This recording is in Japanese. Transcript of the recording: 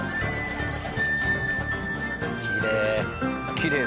きれい。